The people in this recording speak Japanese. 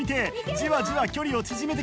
じわじわ距離を縮めてきた。